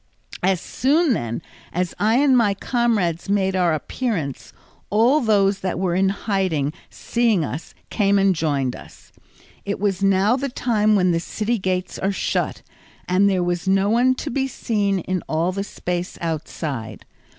As soon, then, as I and my comrades made our appearance, all those that were in hiding seeing us came and joined us. It was now the time when the city gates are shut, and there was no one to be seen in all the space outside.